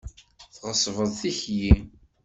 Tɣeṣbeḍ tikli!